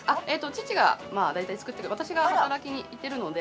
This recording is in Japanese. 父がだいたい作って私が働きに行ってるので。